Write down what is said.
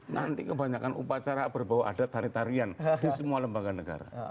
nanti kebanyakan upacara berbau adat tarian tarian di semua lembaga negara